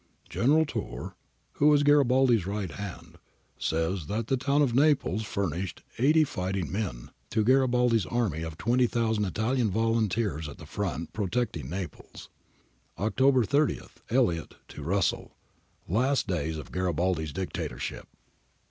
]' General Tiirr, who is Garibaldi's right hand, says that the town of Naples furnished eighty fighting men ' [to Garibaldi's army of 20,000 Italian volunteers at the front, protecting Naples]. October 30. EUtot to Russell. [Last days of Garibaldi's Dictatorship.